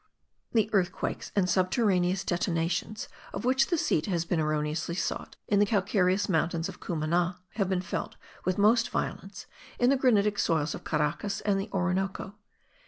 The earthquakes and subterraneous detonations of which the seat has been erroneously sought in the calcareous mountains of Cumana have been felt with most violence in the granitic soils of Caracas and the Orinoco.